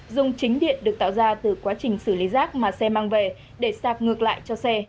dùng chính điện được tạo ra từ quá trình xử lý rác mà xe mang về để sạc ngược lại cho xe